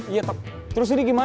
iya terus ini gimana